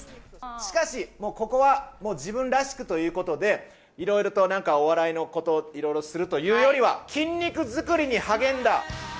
しかし、もうここはもう自分らしくということで、いろいろとなんか、お笑いのこといろいろするというよりは、筋肉作りに励んだ。